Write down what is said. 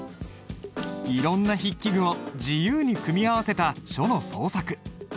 いろんな筆記具を自由に組み合わせた書の創作。